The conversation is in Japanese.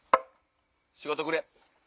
仕事くれ！